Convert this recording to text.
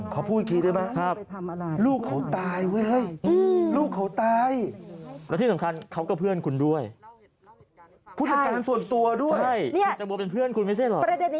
ขอพูดอีกคริกเลยอะลูกเขาตาย